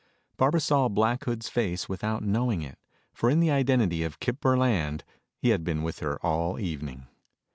Barbara saw Black Hood's face without knowing it, for in the identity of Kip Burland he had been with her all evening.